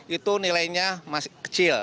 itu nilainya masih kecil